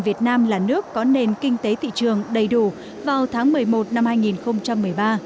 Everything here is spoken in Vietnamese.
việt nam là nước có nền kinh tế thị trường đầy đủ vào tháng một mươi một năm